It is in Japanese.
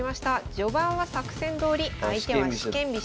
序盤は作戦どおり相手は四間飛車。